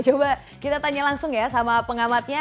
coba kita tanya langsung ya sama pengamatnya